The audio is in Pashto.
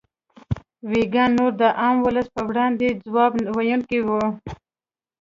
ویګیان نور د عام ولس په وړاندې ځواب ویونکي وو.